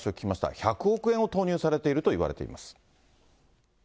１００億円を投入されているといわれています。